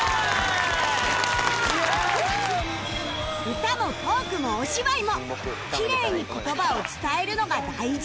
歌もトークもお芝居もきれいに言葉を伝えるのが大事